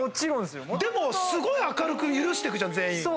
でもすごい明るく許してくじゃん全員を。